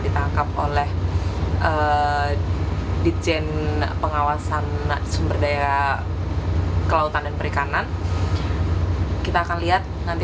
ditangkap oleh ditjen pengawasan sumber daya kelautan dan perikanan kita akan lihat nanti